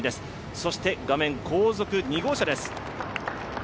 そして画面、後続２号車です。